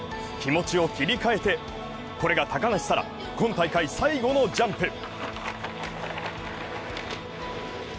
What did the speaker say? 気持ちを切り替えて、これが高梨沙羅、今大会最後のジャンプ。